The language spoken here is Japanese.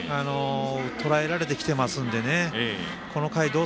とらえられてきていますのでね。